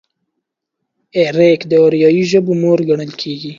اريک د اريايي ژبو مور ګڼل کېږي.